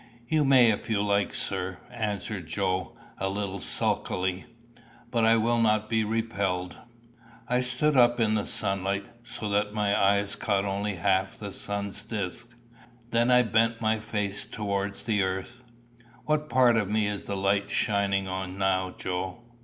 "You may if you like, sir," answered Joe, a little sulkily. But I was not to be repelled. I stood up in the sunlight, so that my eyes caught only about half the sun's disc. Then I bent my face towards the earth. "What part of me is the light shining on now, Joe?"